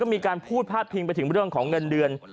มีการพูดพาดพิงไปถึงเรื่องของเงินเดือน